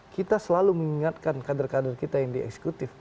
kita selalu mengingatkan kader kader kita yang dieksekutif